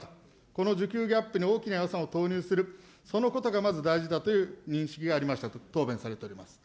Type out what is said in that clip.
この需給ギャップに大きな予算を投入する、そのことがまず大事だという認識がありましたと答弁されております。